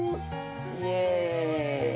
イエーイ！